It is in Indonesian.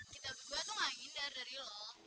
kita berdua tuh gak hindar dari lo